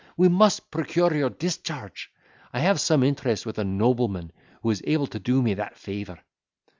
we must procure your discharge. I have some interest with a nobleman who is able to do me that favour."